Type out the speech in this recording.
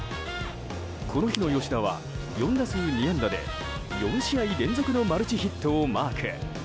この日の吉田は４打数２安打で４試合連続のマルチヒットをマーク。